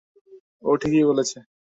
ও ঠিকই বলেছে।